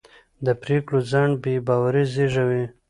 د پرېکړو ځنډ بې باوري زېږوي